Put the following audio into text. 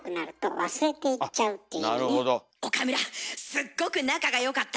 すっごく仲が良かった